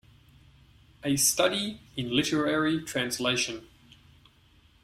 A Study in Literary Translation.